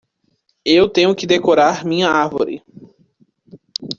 Eu tenho que decorar minha árvore.